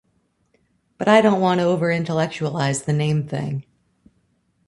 But I don't want to over-intellectualize the name thing.